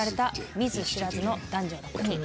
見ず知らずの男女６人。